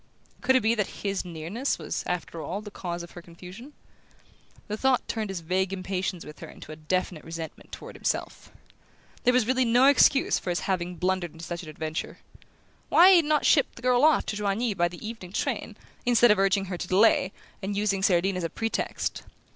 Could it be that his nearness was, after all, the cause of her confusion? The thought turned his vague impatience with her into a definite resentment toward himself. There was really no excuse for his having blundered into such an adventure. Why had he not shipped the girl off to Joigny by the evening train, instead of urging her to delay, and using Cerdine as a pretext?